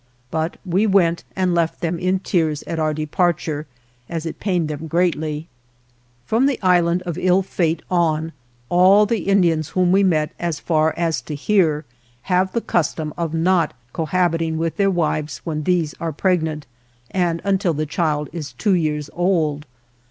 But we went and left them in tears at our departure, as it pained them greatly. 116 ALVAR NUNEZ CABEZA DE VACA FROM the Island of Ill Fate on, all the Indians whom we met as far as to here have the custom of not cohabit ing with their wives when these are preg nant, and until the child is two years old.